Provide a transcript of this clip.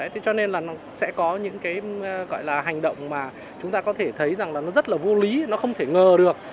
thế cho nên là nó sẽ có những cái gọi là hành động mà chúng ta có thể thấy rằng là nó rất là vô lý nó không thể ngờ được